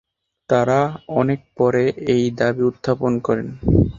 তারা অনেক পরে এই দাবি উত্থাপন করেন।